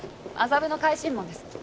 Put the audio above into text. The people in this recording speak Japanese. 麻布の海臣門です